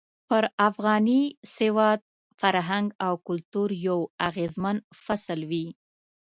پر افغاني سواد، فرهنګ او کلتور يو اغېزمن فصل وي.